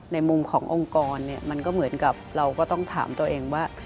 ในมุมขององค์กรมันก็เหมือนกับเราก็ต้องถามตัวเองว่า